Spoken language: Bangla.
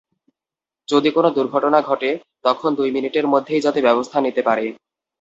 যদি কোনো দুর্ঘটনা ঘটে, তখন দুই মিনিটের মধ্যেই যাতে ব্যবস্থা নিতে পারে।